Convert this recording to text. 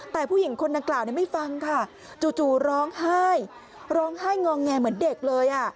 แต่ผู้หญิงคนดังกล่าวไม่ฟังค่ะจู่ร้องไห้ร้องไห้งอแงเหมือนเด็กเลย